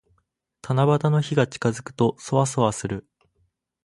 七夕の日が近づくと、そわそわする。